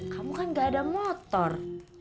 kamu kan gak ada motor